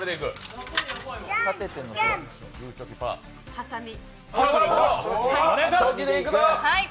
ハサミ。